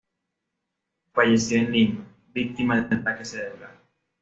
Falleció en Lima, víctima de un ataque cerebral.